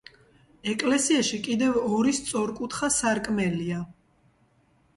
ეკლესიაში კიდევ ორი სწორკუთხა სარკმელია.